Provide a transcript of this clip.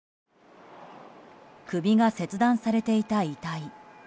首が切断されていた遺体。